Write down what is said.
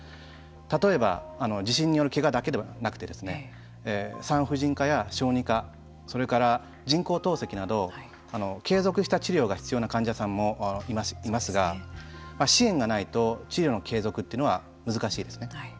例えば地震によるけがだけではなくて産婦人科や小児科それから人工透析など継続した治療が必要な患者さんもいますが支援がないと治療の継続というのは難しいですね。